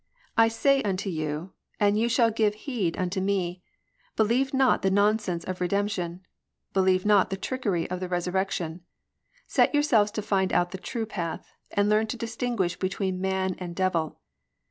199 I say unto you, And you should give heed unto me, Believe not the nonsense of Redemption, Believe not the trickery of the Resurrection. Set yourselves to find out the true path, And learn to distinguish between man and devil.